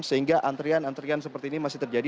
sehingga antrian antrian seperti ini masih terjadi